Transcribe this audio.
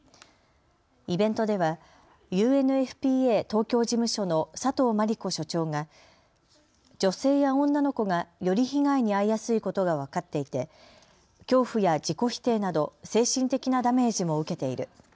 イベントではＵＮＦＰＡ東京事務所の佐藤摩利子所長が女性や女の子がより被害に遭いやすいことが分かっていて恐怖や自己否定など精神的なダメージも受けている。